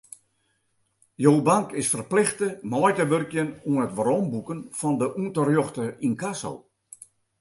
Jo bank is ferplichte mei te wurkjen oan it weromboeken fan de ûnterjochte ynkasso.